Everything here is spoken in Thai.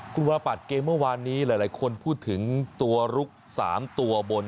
คุณวรปัตย์เกมเมื่อวานนี้หลายคนพูดถึงตัวลุก๓ตัวบน